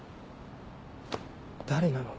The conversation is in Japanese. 誰なの？